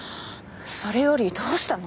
それよりどうしたの？